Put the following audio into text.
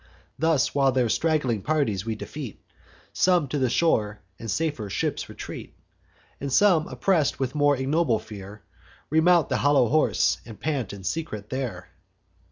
Thus while their straggling parties we defeat, Some to the shore and safer ships retreat; And some, oppress'd with more ignoble fear, Remount the hollow horse, and pant in secret there.